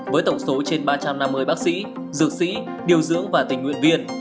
với tổng số trên ba trăm năm mươi bác sĩ dược sĩ điều dưỡng và tình nguyện viên